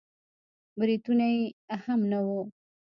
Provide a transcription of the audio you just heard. برېتونه يې هم نه وو.